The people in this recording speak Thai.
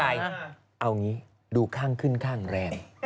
เอาอย่างนี้ดูข้างขึ้นข้างแรง